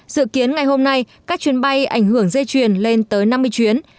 dự kiến ngày hôm nay các chuyến bay ảnh hưởng dây chuyển lên tới năm mươi chuyến